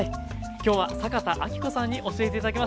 今日は坂田阿希子さんに教えて頂きました。